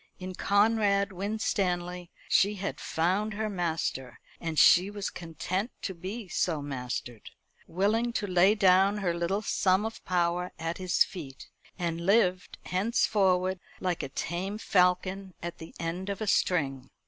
In Conrad Winstanley she had found her master, and she was content to be so mastered; willing to lay down her little sum of power at his feet, and live henceforward like a tame falcon at the end of a string.